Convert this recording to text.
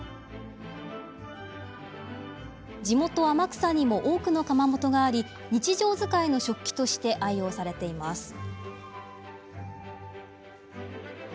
地元・天草にも多くの窯元があり日常使いの食器として愛用されています。